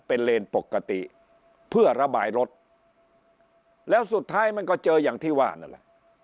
เป็นเลนปกติเพื่อระบายรถแล้วสุดท้ายมันก็เจออย่างที่ว่านั่นแหละ